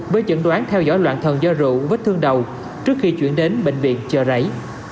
với chẩn đoán theo dõi loạn thần do rượu vết thương đầu trước khi chuyển đến bệnh viện chờ rảy